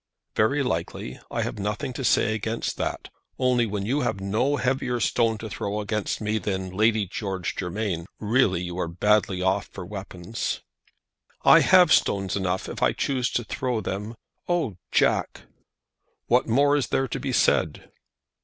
"Very likely. I have nothing to say against that. Only, when you have no heavier stone to throw against me than Lady George Germain, really you are badly off for weapons." "I have stones enough, if I chose to throw them. Oh, Jack!" "What more is there to be said?"